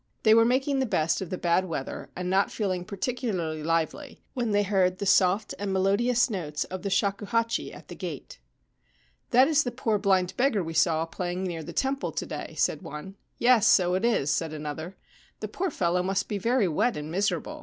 They were making the best of the bad weather, and not feeling particularly lively, when they heard the soft and melodious notes of the shakuhachi at the gate. < That is the poor blind beggar we saw playing near the temple to day/ said one. ' Yes : so it is,' said another. * The poor fellow must be very wet and miserable.